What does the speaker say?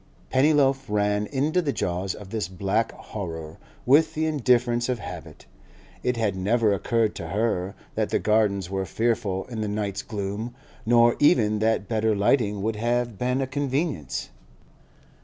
Pennyloaf ran into the jaws of this black horror with the indifference of habit; it had never occurred to her that the Gardens were fearful in the night's gloom, nor even that better lighting would have been a convenience.